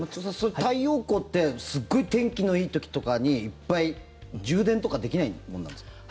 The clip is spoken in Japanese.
太陽光ってすっごい天気のいい時とかにいっぱい充電とかできないものなんですか？